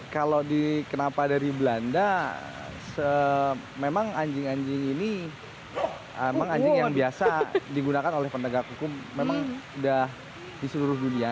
kalau kenapa dari belanda memang anjing anjing ini memang anjing yang biasa digunakan oleh penegak hukum memang sudah di seluruh dunia